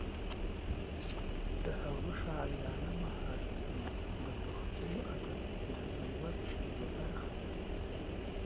د هغه شاعرانه مهارتونه د پښتو ادب د ثروت یوه برخه ده.